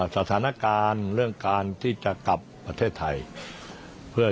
สถานการณ์เรื่องการที่จะกลับประเทศไทยเพื่อ